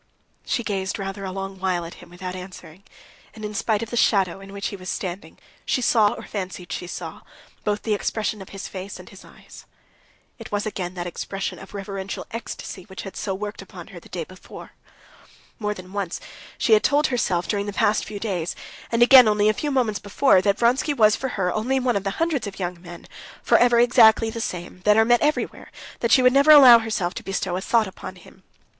She gazed rather a long while at him without answering, and, in spite of the shadow in which he was standing, she saw, or fancied she saw, both the expression of his face and his eyes. It was again that expression of reverential ecstasy which had so worked upon her the day before. More than once she had told herself during the past few days, and again only a few moments before, that Vronsky was for her only one of the hundreds of young men, forever exactly the same, that are met everywhere, that she would never allow herself to bestow a thought upon him.